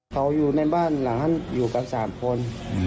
เขาอยู่ในบ้านหลานอยู่กัน๓คน